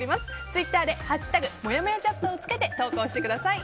ツイッターで「＃もやもやチャット」をつけて投稿してください。